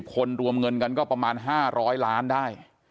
คนรวมเงินกันก็ประมาณ๕๐๐ล้านได้